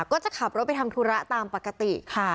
ก็จะขับรถไปทำธุระตามปกติค่ะ